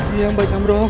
iya mbak jamrong